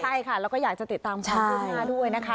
ใช่ค่ะแล้วก็อยากจะติดตามความคืบหน้าด้วยนะคะ